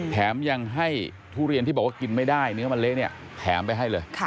แถมยังให้ทุเรียนที่บอกว่ากินไม่ได้เนื้อมะเละเนี่ยแถมไปให้เลย